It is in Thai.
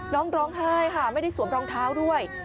ร้องไห้ค่ะไม่ได้สวมรองเท้าด้วย